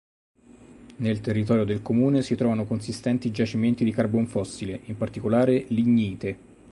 Nel territorio del comune si trovano consistenti giacimenti di carbon fossile, in particolare lignite.